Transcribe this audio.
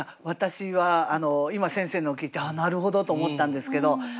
私は今先生のを聞いて「なるほど」と思ったんですけど。